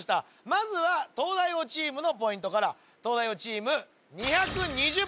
まずは東大王チームのポイントから東大王チームはいよ